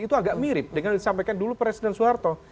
itu agak mirip dengan disampaikan dulu presiden soeharto